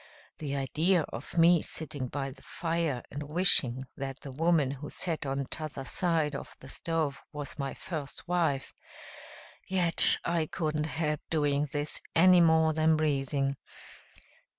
The idea of me sitting by the fire and wishing that the woman who sat on the t'other side of the stove was my first wife! Yet I couldn't help doing this any more than breathing.